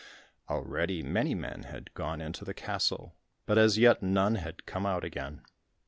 Already many men had gone into the castle, but as yet none had come out again.